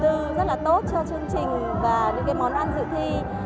đều có sự đầu tư rất là tốt cho chương trình và những món ăn dự thi